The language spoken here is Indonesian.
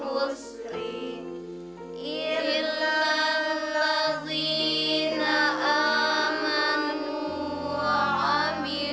gusti allah telah memberikan hidayah kepada nyiwara dan jaria